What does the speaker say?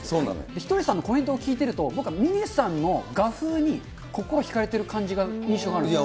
ひとりさんのコメントを聞いてると、僕は峰さんの画風に心引かれてる感じが、印象があるんです。